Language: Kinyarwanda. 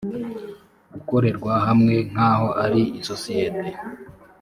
gukorerwa hamwe nk aho ari isosiyete